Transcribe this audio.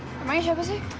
namanya siapa sih